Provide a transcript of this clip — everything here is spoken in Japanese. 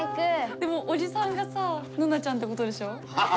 でもおじさんがさヌナちゃんってことでしょ。